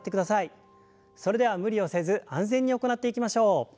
それでは無理をせず安全に行っていきましょう。